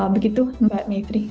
begitu mbak mivri